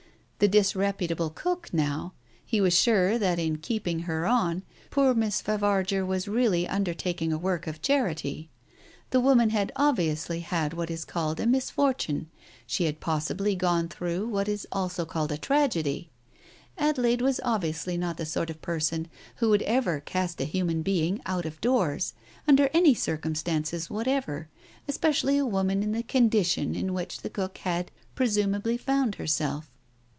The disreputable cook, now, — he was sure that in keeping her on, poor Miss Favarger was really undertaking a work of charity. The woman had obviously had what is called a mis fortune, she had possibly gone through what is also called a tragedy. Adelaide was obviously not the sort of person who would ever cast a human being out of doors, under any circumstances whatever, especially a woman in the condition in which the cook had presum ably found herself.